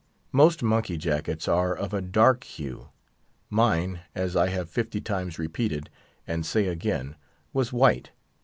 Most monkey jackets are of a dark hue; mine, as I have fifty times repeated, and say again, was white.